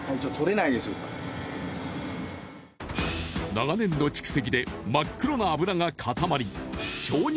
長年の蓄積で真っ黒な油が固まり鍾乳